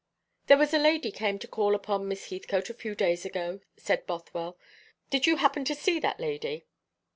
"There was a lady came to call upon Miss Heathcote a few days ago," said Bothwell. "Did you happen to see that lady?"